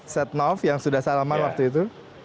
setnov yang sudah salaman waktu itu